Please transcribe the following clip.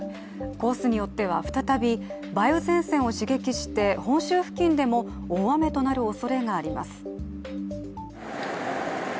コースによっては再び、梅雨前線を刺激して本州付近でも大雨となるおそれがあります。